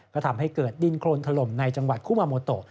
ก็ทำให้เกิดดินโครนถล่มในจังหวัดคุมาโมโต